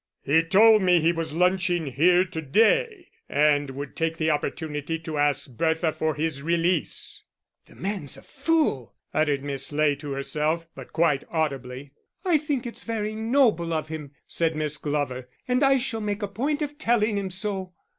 "He told me he was lunching here to day, and would take the opportunity to ask Bertha for his release." "The man's a fool!" muttered Miss Ley to herself, but quite audibly. "I think it's very noble of him," said Miss Glover, "and I shall make a point of telling him so."